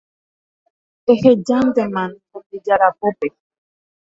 Ehejántema Ñandejára pópe